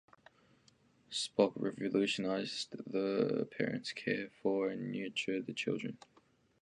Spock revolutionized the way parents care for and nurture their children.